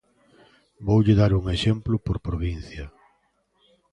Voulle dar un exemplo por provincia.